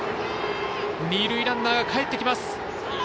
二塁ランナーがかえってきます。